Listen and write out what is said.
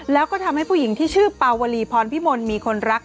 แล้วก็ทำให้ผู้หญิงที่ชื่อปาวลีพรพิมลมีคนรัก